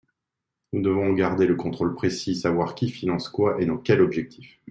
Nous devons en garder le contrôle précis, savoir qui finance quoi et dans quel objectif.